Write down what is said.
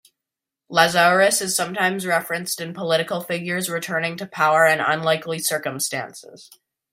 Lazarus is sometimes referenced in political figures returning to power in unlikely circumstances.